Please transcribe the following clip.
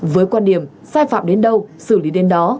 với quan điểm sai phạm đến đâu xử lý đến đó